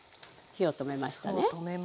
火を止めました。